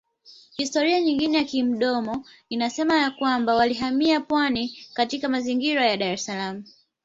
Historia nyingine ya kimdomo inasema ya kwamba walihamia pwani katika mazingira ya Daressalaam